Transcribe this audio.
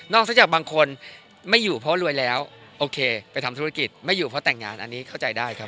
ซะจากบางคนไม่อยู่เพราะรวยแล้วโอเคไปทำธุรกิจไม่อยู่เพราะแต่งงานอันนี้เข้าใจได้ครับ